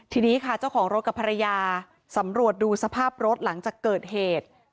ทีนี้ค่ะเจ้าของรถกับภรรยาสำรวจดูสภาพรถหลังจากเกิดเหตุ